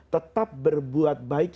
tetap berbuat baik